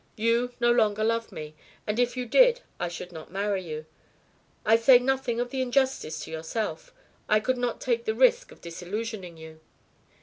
You no longer love me, and if you did I should not marry you. I say nothing of the injustice to yourself I could not take the risk of disillusioning you."